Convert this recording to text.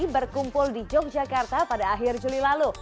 berkumpul di yogyakarta pada akhir juli lalu